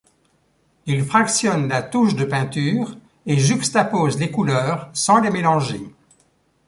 Ils fractionnent la touche de peinture et juxtaposent les couleurs sans les mélanger.